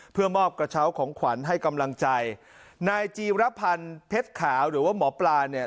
เพื่อมอบกระเช้าของขวัญให้กำลังใจนายจีรพันธ์เพชรขาวหรือว่าหมอปลาเนี่ย